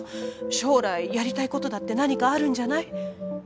将来やりたいことだって何かあるんじゃない？